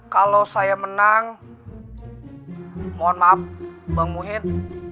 kalau saya menang mohon maaf bang muhid